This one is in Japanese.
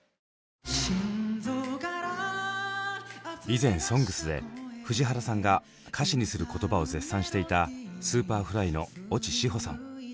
以前「ＳＯＮＧＳ」で藤原さんが歌詞にする言葉を絶賛していたＳｕｐｅｒｆｌｙの越智志帆さん。